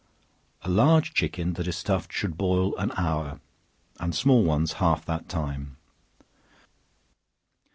A large chicken that is stuffed should boil an hour, and small ones half that time.